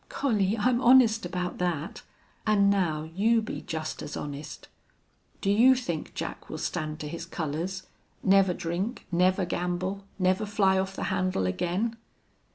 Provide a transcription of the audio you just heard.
"Collie, I'm honest about that. And now you be just as honest. Do you think Jack will stand to his colors? Never drink never gamble never fly off the handle again?"